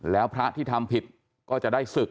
แล้วพระที่ทำผิดก็จะได้ศึก